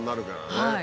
はい！